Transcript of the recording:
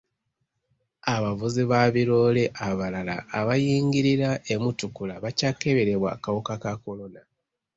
Abavuzi ba biroole abalala abayingirira e Mutukula bakyakeberebwa akawuka ka kolona.